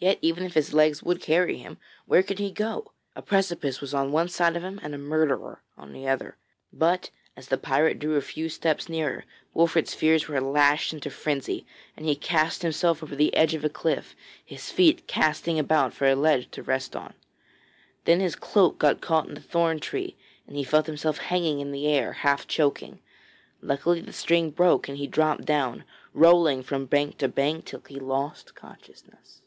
Yet, even if his legs would carry him, where could he go? A precipice was on one side of him and a murderer on the other. But as the pirate drew a few steps nearer, Wolfert's fears were lashed into frenzy, and he cast himself over the edge of the cliff, his feet casting about for a ledge to rest on. Then his cloak got caught in a thorn tree and he felt himself hanging in the air, half choking. Luckily the string broke and he dropped down, rolling from bank to bank till he lost consciousness.